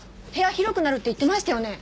広くなるって言ってましたよね？